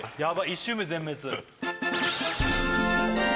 １周目全滅